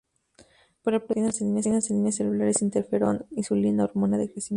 Por la producción de proteínas en líneas celulares: interferón, insulina, hormona de crecimiento.